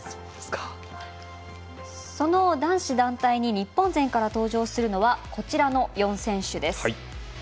その男子団体に日本から登場するのはこちらの４選手です。